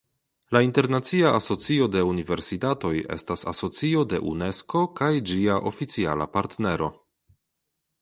La Internacia Asocio de Universitatoj estas asocio de Unesko kaj ĝia oficiala partnero.